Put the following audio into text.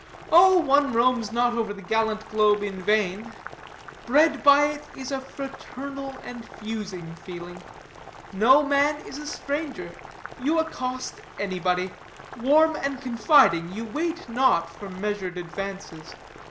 Oh, one roams not over the gallant globe in vain. Bred by it, is a fraternal and fusing feeling. No man is a stranger. You accost anybody. Warm and confiding, you wait not for measured advances.